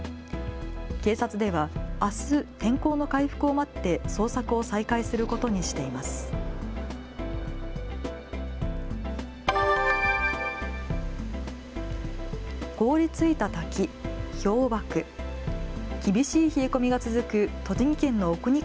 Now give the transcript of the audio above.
警察ではあす天候の回復を待って捜索を再開することにしています。